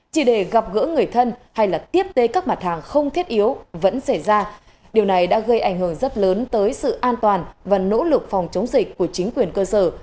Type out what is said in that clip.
chỉ để gặp gỡ người thân hay là tiếp tế các mặt hàng không thiết yếu vẫn xảy ra điều này đã gây ảnh hưởng rất lớn tới sự an toàn và nỗ lực phòng chống dịch của chính quyền cơ sở